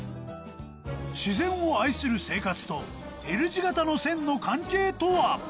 自然を愛する生活とＬ字型の線の関係とは？